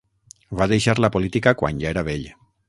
Va deixar la política quan ja era vell.